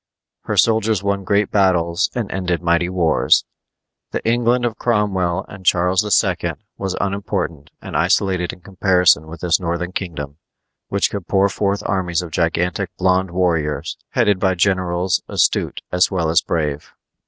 Her soldiers won great battles and ended mighty wars. The England of Cromwell and Charles II. was unimportant and isolated in comparison with this northern kingdom, which could pour forth armies of gigantic blond warriors, headed by generals astute as well as brave.